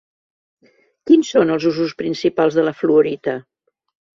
Quins són els usos principals de la fluorita?